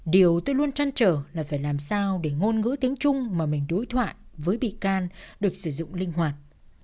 điều tôi luôn chăn trở là phải làm sao để ngôn ngữ tiếng trung mà mình đối thoại với bị can được sử dụng linh hoạt